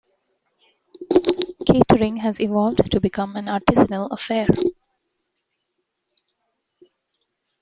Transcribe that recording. Catering has evolved to become an artisanal affair.